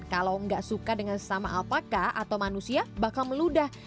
kalau nggak suka dengan sesama alpaka atau manusia bakal meludah